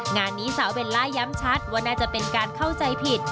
งานนี้สาวเบลล่าย้ำชัดว่าน่าจะเป็นการเข้าใจผิด